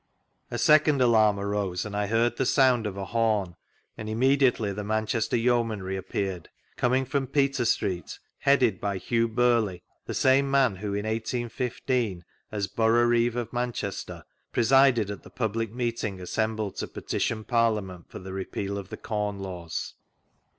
A second alarm arose, and I heard the sound of a horn, and immediately the Manchester Yeomanry appeatied, coming from Peter Street, headied by Hugh Birley, the same man who, in 1815, as Boroughreeve of Manchester, presided at the public meeting assembled to petition Parliament for the Repeal of the Corn Laws.